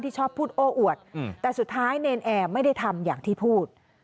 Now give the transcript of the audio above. ชอบพูดโอ้อวดแต่สุดท้ายเนรนแอร์ไม่ได้ทำอย่างที่พูด